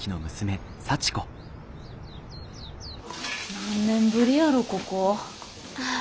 何年ぶりやろここ。